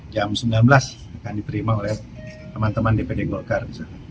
jam sembilan belas akan diterima oleh teman teman dpd golkar